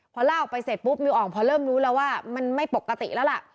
พอล่าออกไปเสร็จปุ๊บมิวอ่องพอเริ่มรู้แล้วว่ามันไม่ปกติแล้วล่ะ